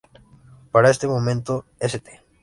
Para ese momento, St.